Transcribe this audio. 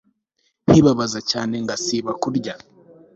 nkibabaza cyane ngasiba kurya